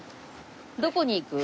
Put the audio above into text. どこに行く？